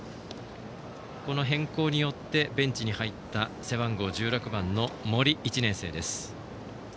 この変更によってベンチに入った背番号１６番の森、１年生です。